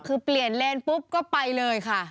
คือเปลี่ยนเลนปุ๊บก็ไปเลยค่ะ